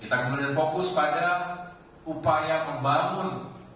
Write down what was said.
kita kemudian fokus pada upaya membangun